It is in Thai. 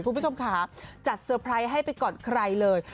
คุณผู้ชมค่ะจัดเซอร์ไพรส์ให้ไปก่อนใครเลย